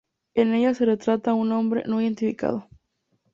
En ella se retrata a un hombre no identificado.